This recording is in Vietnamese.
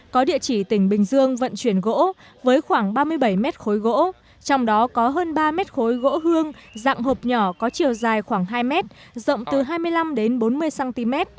có địa chỉ tỉnh bình dương vận chuyển gỗ với khoảng ba mươi bảy mét khối gỗ trong đó có hơn ba mét khối gỗ hương dạng hộp nhỏ có chiều dài khoảng hai mét rộng từ hai mươi năm đến bốn mươi cm